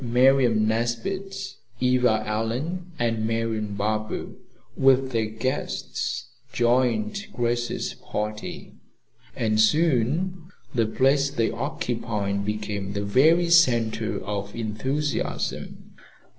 Miriam Nesbit, Eva Allen and Marian Barber, with their guests, joined Grace's party, and soon the place they occupied became the very center of enthusiasm.